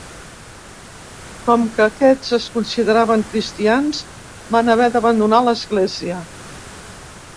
Com que aquests es consideraven cristians, van haver d'abandonar l'Església.